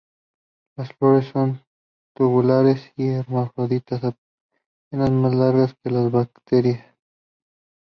Las flores son tubulares y hermafroditas, apenas más largas que las brácteas.